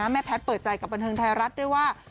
แม่แพทย์เปิดใจกับบันเทิงไทยรัฐด้วยว่า